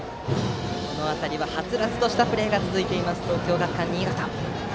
この辺りははつらつとしたプレーが続いている東京学館新潟。